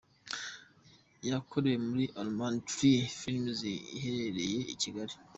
Yakorewe muri Almond Tree Films iherereye i Kigali.